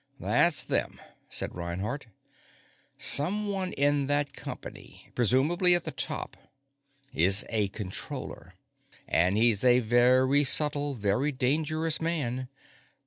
"That's them," said Reinhardt. "Someone in that company, presumably someone at the top, is a Controller. And he's a very subtle, very dangerous man.